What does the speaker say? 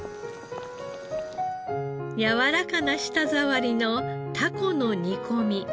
やわらかな舌触りのタコの煮込み。